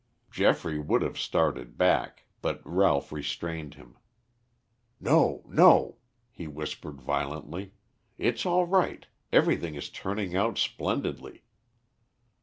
Geoffrey would have started back, but Ralph restrained him. "No, no," he whispered violently. "It is all right; everything is turning out splendidly."